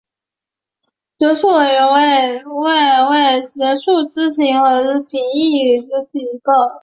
学术委员会为学术咨询与评议机构。